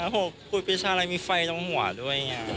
หกครูปีชาอะไรมีไฟตรงหัวด้วย